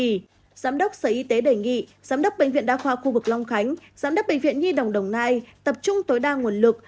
giám đốc sở y tế đề nghị giám đốc bệnh viện đa khoa khu vực long khánh giám đốc bệnh viện nhi đồng đồng nai tập trung tối đa nguồn lực